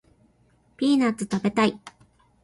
ピーナッツ食べたい